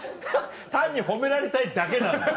単に褒められたいだけなんだよ。